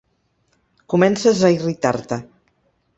Comences a irritar-te.